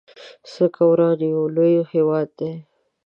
څه که وران يو لوی هيواد دی